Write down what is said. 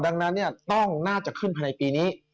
ดังนั้นต้องน่าจะขึ้นภายในปีนี้